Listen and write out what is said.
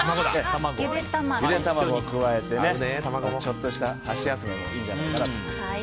ゆで卵を加えてちょっとした箸休めにいいんじゃないかなと思います。